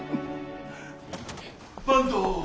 坂東。